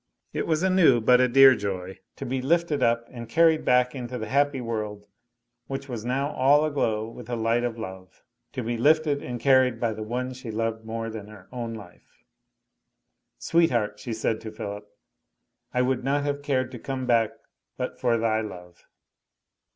It was a new but a dear joy, to be lifted up and carried back into the happy world, which was now all aglow with the light of love; to be lifted and carried by the one she loved more than her own life. "Sweetheart," she said to Philip, "I would not have cared to come back but for thy love."